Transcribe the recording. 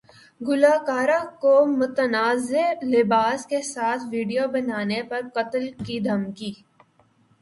گلوکارہ کو متنازع لباس کے ساتھ ویڈیو بنانے پر قتل کی دھمکی